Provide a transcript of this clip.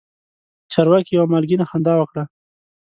چارواکي یوه مالګینه خندا وکړه.